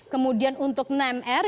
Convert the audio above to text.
kemudian untuk enam mr